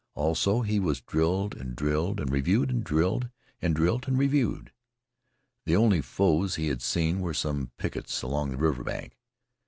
Also, he was drilled and drilled and reviewed, and drilled and drilled and reviewed. The only foes he had seen were some pickets along the river bank.